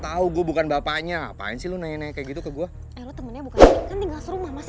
tau gue bukan bapaknya apaan sih lu naik naik gitu ke gua temennya bukan tinggal serumah masa